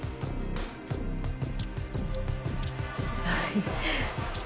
はい。